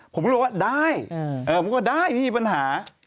ผมก็บอกว่าได้มีปัญหา